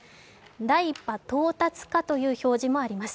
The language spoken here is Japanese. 第１波到達かという表示もあります。